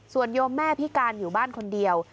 ส่วนโยมแม่พิการอยู่บ้านคนเดียว